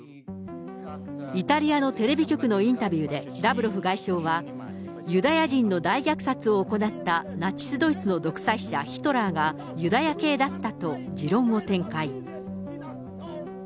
イタリアのテレビ局のインタビューで、ラブロフ外相は、ユダヤ人の大虐殺を行ったナチス・ドイツの独裁者、ヒトラーが、ユダヤ系だったと、持論を展開。